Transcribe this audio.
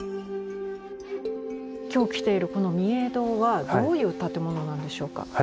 今日来ているこの御影堂はどういう建物なんでしょうか？